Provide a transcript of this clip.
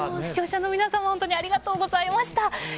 視聴者の皆様本当にありがとうございました。